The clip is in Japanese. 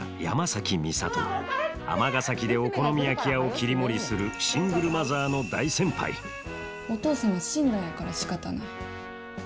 尼崎でお好み焼き屋を切り盛りするシングルマザーの大先輩お父さんは死んだんやからしかたない。